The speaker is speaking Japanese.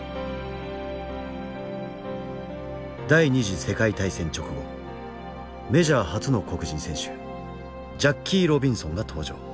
第二次世界大戦直後メジャー初の黒人選手ジャッキー・ロビンソンが登場。